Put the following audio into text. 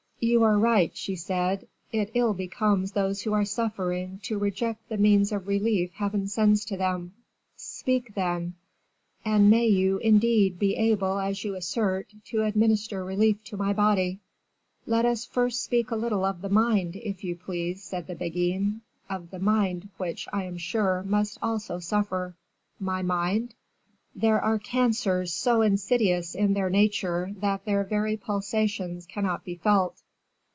"You are right," she said; "it ill becomes those who are suffering to reject the means of relief Heaven sends them. Speak, then; and may you, indeed, be able, as you assert, to administer relief to my body " "Let us first speak a little of the mind, if you please," said the Beguine "of the mind, which, I am sure, must also suffer." "My mind?" "There are cancers so insidious in their nature that their very pulsations cannot be felt.